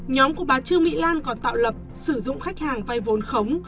nhóm của bà trương mỹ lan còn tạo lập sử dụng khách hàng vay vốn khống